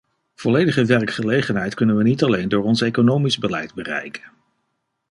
Volledige werkgelegenheid kunnen we niet alleen door ons economisch beleid bereiken.